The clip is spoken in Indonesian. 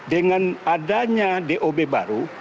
dengan adanya dob baru